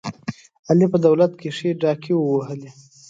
علي په دولت کې ښې ډاکې ووهلې.